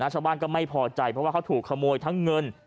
ชาวบ้านก็ไม่พอใจเพราะว่าเขาถูกขโมยทั้งเงิน